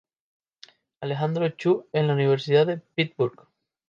Alejandro Chu en la Universidad de Pittsburgh.